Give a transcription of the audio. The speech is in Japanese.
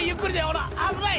ほら危ない！